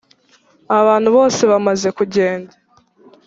abantu bose bamaze kugenda,